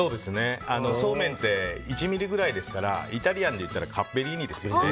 そうめんって１ｍｍくらいですからイタリアンで言ったらカッペリーニですよね。